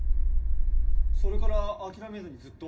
それから諦めずにずっと？